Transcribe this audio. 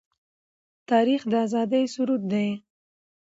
تاریخ د آزادۍ سرود دی.